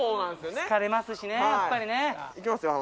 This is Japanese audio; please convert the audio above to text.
疲れますしねやっぱりね。いきますよ